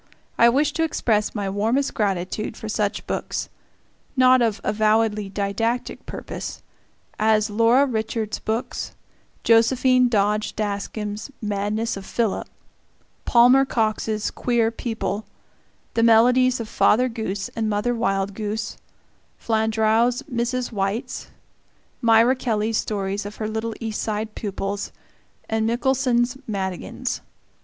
I wish to express my warmest gratitude for such books not of avowedly didactic purpose as Laura Richards's books, Josephine Dodge Daskam's "Madness of Philip," Palmer Cox's "Queer People," the melodies of Father Goose and Mother Wild Goose, Flandreau's "Mrs. White's," Myra Kelly's stories of her little East Side pupils, and Michelson's "Madigans."